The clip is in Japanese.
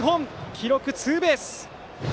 記録、ツーベース。